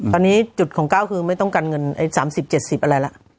ตอนนี้จุดของก้าวคือไม่ต้องการเงิน๓๐๗๐อะไรละ